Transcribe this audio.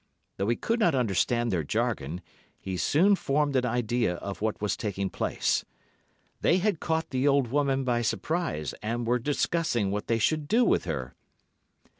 Though he could not understand their jargon, he soon formed an idea of what was taking place. They had caught the old woman by surprise and were discussing what they should do with her.